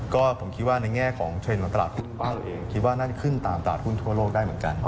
ก็ผมคิดว่าในแง่ของเทรนด์ของตลาดทุนบ้านเราเองคิดว่าน่าจะขึ้นตามตลาดหุ้นทั่วโลกได้เหมือนกัน